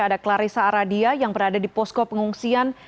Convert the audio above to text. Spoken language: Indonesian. ada clarissa aradia yang berada di posko pengungsian